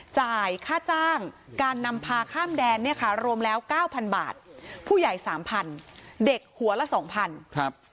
จ่ายค่าจ้างการนำพาข้ามแดนเนี่ยค่ะรวมแล้ว๙๐๐๐บาทผู้ใหญ่๓๐๐๐บาทเด็กหัวละ๒๐๐๐บาท